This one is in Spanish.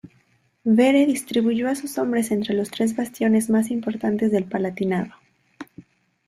Vere distribuyó a sus hombres entre los tres bastiones más importantes del Palatinado.